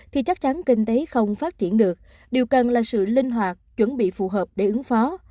thì chắc chắn kinh tế không phát triển được điều cần là sự linh hoạt chuẩn bị phù hợp để ứng phó